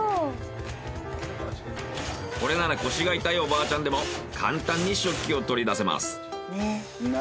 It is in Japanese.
これなら腰が痛いおばあちゃんでも簡単に食器を取り出せます。